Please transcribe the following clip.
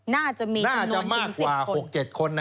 น่าจะมีจำนวนมากกว่า๖๗คน